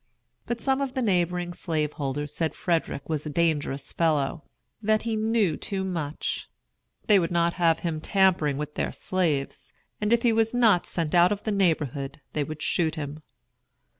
But some of the neighboring slaveholders said Frederick was a dangerous fellow; that he knew too much, they would not have him tampering with their slaves; and if he was not sent out of the neighborhood they would shoot him.